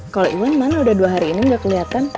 kalau iwan mana udah dua hari ini gak keliatan